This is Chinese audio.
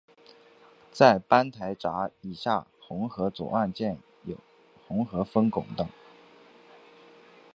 在班台闸以下洪河左岸建有洪河分洪道。